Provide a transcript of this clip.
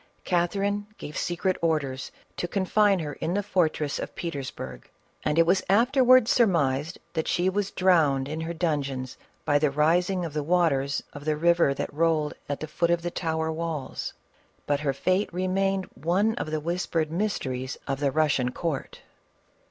Catherine gave secret orders to confine her in the fortress of Petersburg, and it was afterwards surmised that she was drowned in her dungeon by the rising of the waters of the river that rolled at the foot of the tower walls ; but her futo remained one of the whispered mysteries of the Russian court.